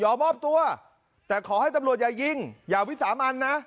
มอบตัวแต่ขอให้ตำรวจอย่ายิงอย่าวิสามันนะ